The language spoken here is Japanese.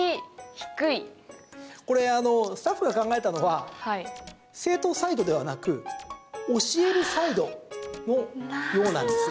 これ、スタッフが考えたのは生徒サイドではなく教えるサイドのようなんですよ。